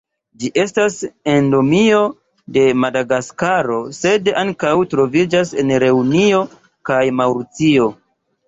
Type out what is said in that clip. Ĝi estas endemio de Madagaskaro, sed ankaŭ troviĝas en Reunio kaj Maŭricio.